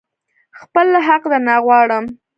خپل حق درنه غواړم.